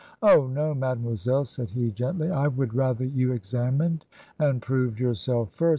"Oh, no, mademoiselle," said he, gently, "I would rather you examined and proved yourself first.